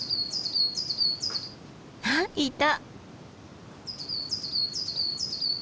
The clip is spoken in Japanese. あっいた！